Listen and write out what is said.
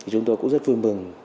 chúng tôi cũng rất vui mừng